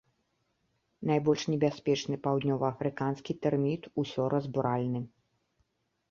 Найбольш небяспечны паўднёваафрыканскі тэрміт усёразбуральны.